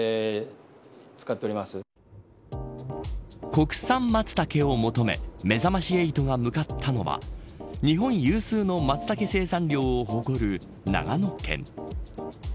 国産マツタケを求めめざまし８が向かったのは日本有数のマツタケ生産量を誇る長野県。